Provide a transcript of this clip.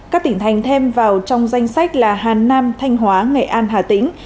các tỉnh thành thêm vào trong danh sách là hà nam thanh hóa nghệ an hà tĩnh